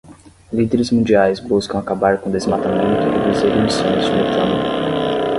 Líderes mundiais buscam acabar com desmatamento e reduzir emissões de metano